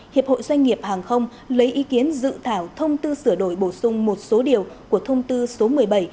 hiệp hội doanh nghiệp hàng không lấy ý kiến dự thảo thông tư sửa đổi bổ sung một số điều của thông tư số một mươi bảy hai nghìn một mươi chín